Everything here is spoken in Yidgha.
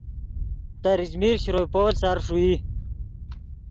تریچمیر شروع پول سر ݰوئی